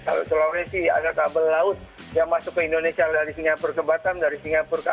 kalau sulawesi ada kabel laut yang masuk ke indonesia dari singapura ke batam dari singapura ke